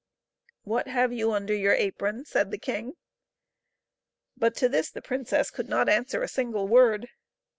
" What have you under your apron ? said the king. But to this the princess could not answer a single word.